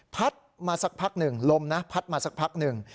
พัดมาสักพักหนึ่งลมนะพัดมาสักพักหนึ่ง